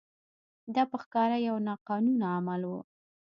دا په ښکاره یو ناقانونه عمل و.